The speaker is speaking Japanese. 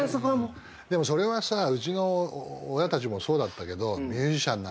でもそれはさうちの親たちもそうだったけど。